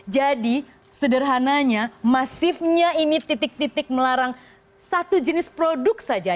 sederhananya masifnya ini titik titik melarang satu jenis produk saja